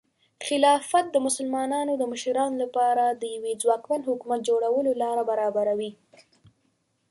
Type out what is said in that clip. خلافت د مسلمانانو د مشرانو لپاره د یوه ځواکمن حکومت جوړولو لاره برابروي.